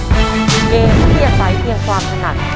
คุณเองไม่เพียงใสเพียงความถนัด